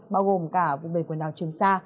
bao gồm cả vùng biển quần đảo trường sa